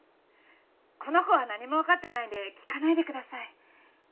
この子は何も分かってないんで聞かないでください。